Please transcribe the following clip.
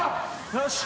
よし。